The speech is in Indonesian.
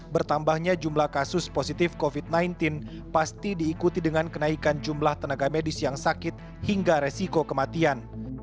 bertambahnya jumlah kasus positif covid sembilan belas pasti diikuti dengan kenaikan jumlah tenaga medis yang sakit hingga resiko kematian